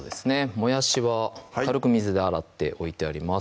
もやしは軽く水で洗って置いてあります